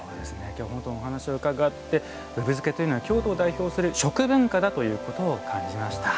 きょうは本当にお話を伺ってぶぶ漬けというのは京都を代表する食文化だと感じました。